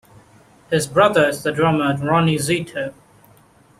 His brother is the drummer Ronnie Zito.